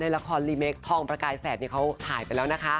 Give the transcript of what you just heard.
ละครรีเมคทองประกายแสดเขาถ่ายไปแล้วนะคะ